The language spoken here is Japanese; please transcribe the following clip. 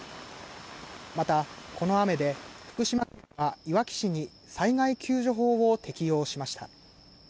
また、この雨で福島県はいわき市に災害救助法を適用しました。